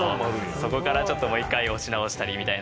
そこからちょっともう一回押し直したりみたいな感じで。